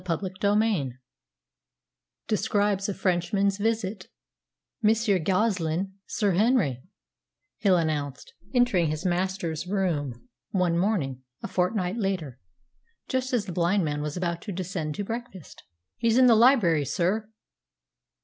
CHAPTER XVII DESCRIBES A FRENCHMAN'S VISIT "Monsieur Goslin, Sir Henry," Hill announced, entering his master's room one morning a fortnight later, just as the blind man was about to descend to breakfast. "He's in the library, sir."